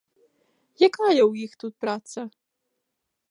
Якая ў іх тут праца?